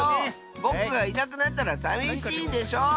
ぼくがいなくなったらさみしいでしょ！